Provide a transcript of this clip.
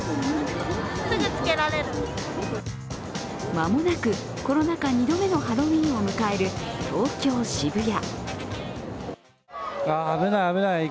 間もなくコロナ禍２度目のハロウィーンを迎える東京・渋谷。